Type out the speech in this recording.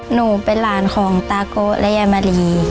หนูเป็นหลานของตาโกะและยายมะลี